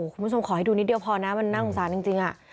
คุณผู้ชมขอให้ดูนิดเดียวพอนะมันน่าสงสารจริง